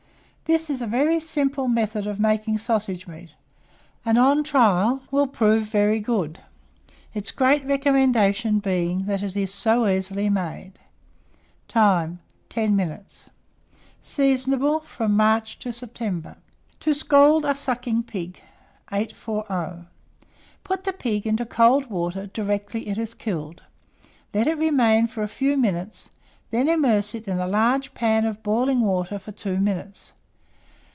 This is a very simple method of making sausage meat, and on trial will prove very good, its great recommendation being, that it is so easily made. Time. 10 minutes. Seasonable from September to March. TO SCALD A SUCKING PIG. 840. Put the pig into cold water directly it is killed; let it remain for a few minutes, then immerse it in a large pan of boiling water for 2 minutes.